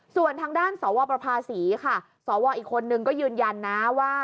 ส่วนทางด้านสวประภาษีค่ะสวอีกคนนึงก็ยืนยันนะว่า